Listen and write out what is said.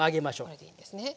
これでいいんですね。